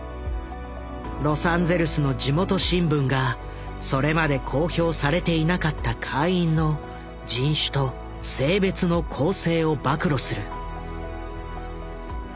ロサンゼルスの地元新聞がそれまで公表されていなかった会員の人種と性別の構成を暴露する。